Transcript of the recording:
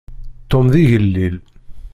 Tom d igellil.